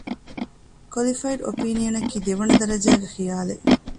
ކޮލިފައިޑް އޮޕީނިއަނަކީ ދެވަނަ ދަރަޖައިގެ ޚިޔާލެއް